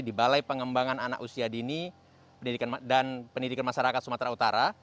di balai pengembangan anak usia dini dan pendidikan masyarakat sumatera utara